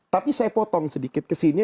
tapi saya potong sedikit ke sini